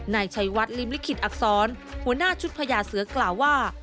นายชัยวัดริมลิขิตอักษรหัวหน้าชุดพญาเสือกล่าวว่า